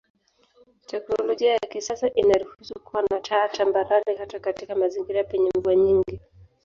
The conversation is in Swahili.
Teknolojia ya kisasa inaruhusu kuwa na taa tambarare hata katika mazingira penye mvua nyingi.